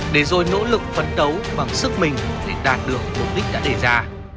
để rồi nỗ lực phấn đấu bằng sức mình để đạt được mục đích đã đề ra